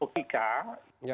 distrik bukit k